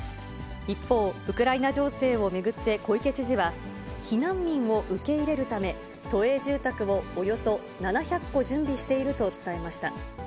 一方、ウクライナ情勢を巡って小池知事は、避難民を受け入れるため、都営住宅をおよそ７００戸準備していると伝えました。